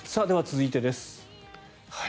では、続いてです。